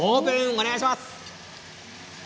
お願いします。